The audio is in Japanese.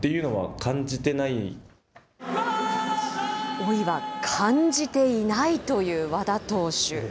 老いは感じていないという和田投手。